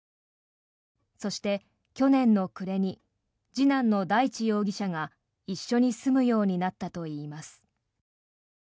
そして去年の暮れに次男の大地容疑者が一緒に住むようになったといいます。